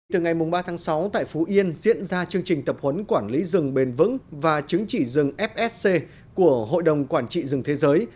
từ ngày ba sáu tại phú yên diễn ra chương trình tập huấn quản lý rừng bền vững và chứng chỉ rừng fsc của hội đồng quản trị rừng thế giới